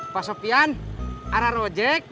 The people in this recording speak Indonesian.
pak sofian arah rojek